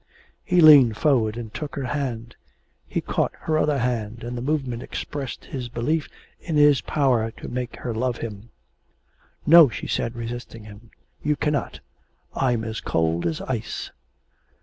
He leaned forward and took her hand; he caught her other hand, and the movement expressed his belief in his power to make her love him. 'No,' she said, resisting him. 'You cannot. I'm as cold as ice.'